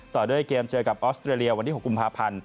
ต่อด้วยเกมเจอกับออสเตรเลียวันที่๖กพ